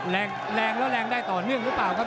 แรงแรงแล้วแรงได้ต่อเนื่องหรือเปล่าครับ